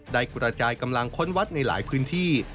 กระจายกำลังค้นวัดในหลายพื้นที่